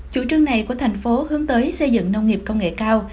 chủ trương này của thành phố hướng tới xây dựng nông nghiệp công nghệ cao